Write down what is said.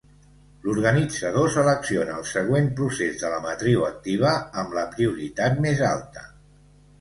L'organitzador selecciona el següent procés de la matriu activa amb la prioritat més alta.